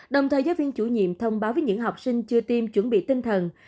đồng thời giáo viên chủ nhiệm thông báo với những học sinh chưa tiêm chuẩn bị tinh thần